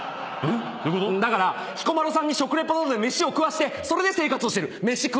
んっ⁉だから彦摩呂さんに食リポなどで飯を食わしてそれで生活をしてる。